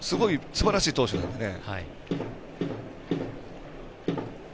すばらしい投手なのでね。